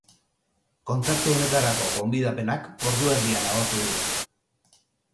Kontzertu honetarako gonbidapenak ordu erdian agortu dira.